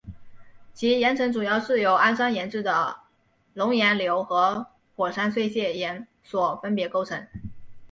其岩层主要是由安山岩质的熔岩流和火山碎屑岩所分别构成。